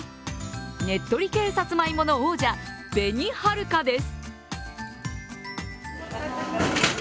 ねっとり系さつまいもの王者紅はるかです。